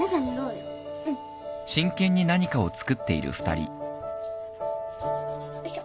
よいしょ。